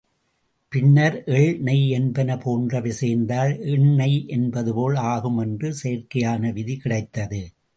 பின்னர், எள் நெய் என்பன போன்றவை சேர்ந்தால் எண்ணெய் என்பதுபோல் ஆகும் என்ற செயற்கையான விதி கிடைத்தது.